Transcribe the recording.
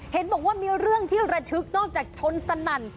เห็นบอกว่ามีเรื่องที่ระทึกนอกจากชนสนั่น